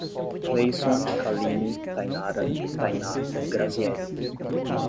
Cleison, Kaline, Taynara, Thayná e Grasiele